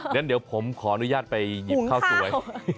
งั้นเดี๋ยวผมขออนุญาตไปหยิบข้าวสวย